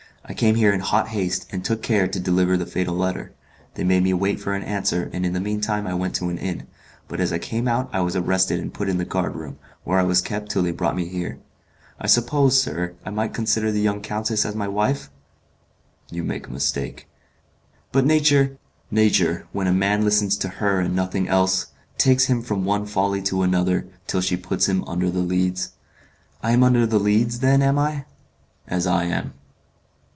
I came here in hot haste, and took care to deliver the fatal letter. They made me wait for an answer, and in the mean time I went to an inn; but as I came out I was arrested and put in the guard room, where I was kept till they brought me here. I suppose, sir, I might consider the young countess as my wife?" "You make a mistake." "But nature " "Nature, when a man listens to her and nothing else, takes him from one folly to another, till she puts him under the Leads." "I am under the Leads, then, am I?" "As I am."